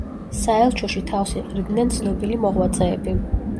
საელჩოში თავს იყრიდნენ ცნობილი მოღვაწეები.